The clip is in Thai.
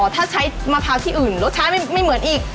ถ้าใช้มะพร้าวที่อื่นรสชาติไม่เหมือนอีก